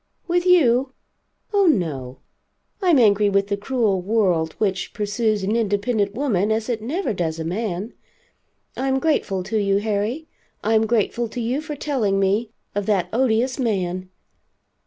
"With you? Oh no. I'm angry with the cruel world, which, pursues an independent woman as it never does a man. I'm grateful to you Harry; I'm grateful to you for telling me of that odious man."